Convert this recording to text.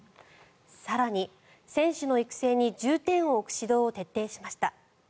更に、選手の育成に重点を置く指導を徹底しました。